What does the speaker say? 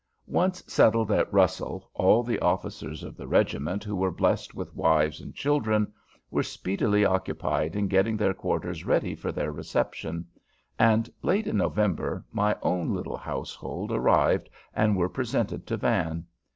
Once settled at Russell, all the officers of the regiment who were blessed with wives and children were speedily occupied in getting their quarters ready for their reception; and late in November my own little household arrived and were presented to Van.